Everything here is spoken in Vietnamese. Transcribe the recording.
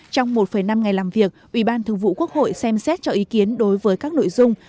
trong một năm ngày làm việc ủy ban thường vụ quốc hội xem xét cho ý kiến đối với các nội dung